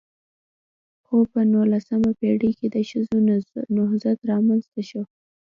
خو په نولسمه پېړۍ کې د ښځو نضهت رامنځته شو .